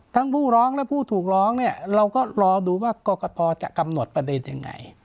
ผู้ร้องและผู้ถูกร้องเนี่ยเราก็รอดูว่ากรกตจะกำหนดประเด็นยังไง